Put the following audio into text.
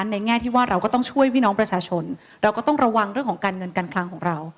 แง่ที่ว่าเราก็ต้องช่วยพี่น้องประชาชนเราก็ต้องระวังเรื่องของการเงินการคลังของเรา